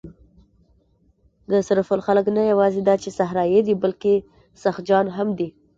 د سرپل خلک نه یواځې دا چې صحرايي دي، بلکې سخت جان هم دي.